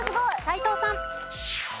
斎藤さん。